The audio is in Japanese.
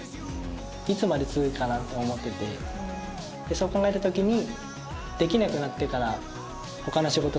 そう考えたときに。